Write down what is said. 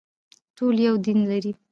ټول یو دین لري